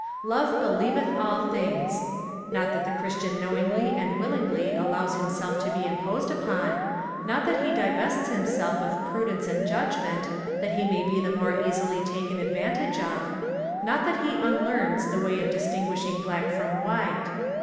Love believeth all things — not that the Christian knowingly and willingly allows himself to be imposed upon — not that he divests himself of prudence and judgment, that he may be the more easily taken advantage of — not that he unlearns the way of distinguishing black from white.